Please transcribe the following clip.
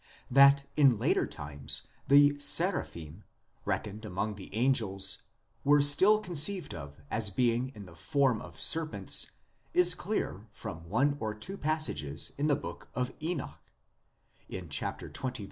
That in later times the Seraphim, reckoned among the angels, were still conceived of as being in the form of serpents is clear from one or two passages in the book of Enoch ; in xx.